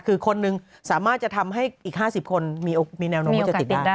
คือคนหนึ่งสามารถจะทำให้อีก๕๐คนมีแนวโน้มว่าจะติดได้